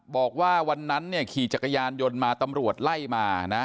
บอกว่าวันนั้นเนี่ยขี่จักรยานยนต์มาตำรวจไล่มานะ